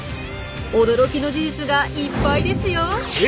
驚きの事実がいっぱいですよ！へ！